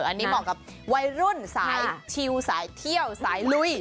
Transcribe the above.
อันนี้เหมาะกับวัยรุ่นสายชิลสายเที่ยวสายลุย